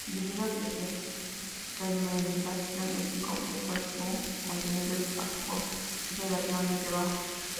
Debido a que su fermentación es incompleta, su contenido en alcohol es relativamente bajo.